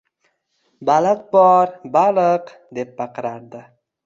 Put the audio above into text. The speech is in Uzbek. Baliq bor, baliq deb baqirardi